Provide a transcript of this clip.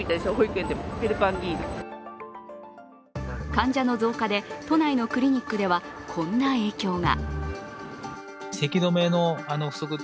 患者の増加で都内のクリニックでは、こんな影響が。